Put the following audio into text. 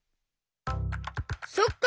そっか。